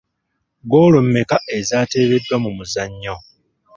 Goolo mmeka ezaateebeddwa mu muzannyo?